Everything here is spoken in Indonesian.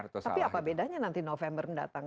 tapi apa bedanya nanti november mendatang